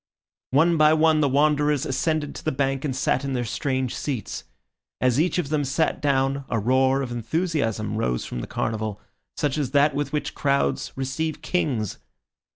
One by one the wanderers ascended the bank and sat in their strange seats. As each of them sat down a roar of enthusiasm rose from the carnival, such as that with which crowds receive kings.